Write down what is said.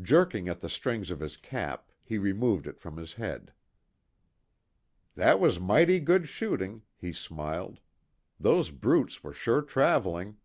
Jerking at the strings of his cap, he removed it from his head: "That was mighty good shooting," he smiled, "Those brutes were sure traveling!"